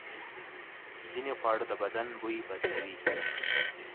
ځینې خواړه د بدن بوی بدلوي.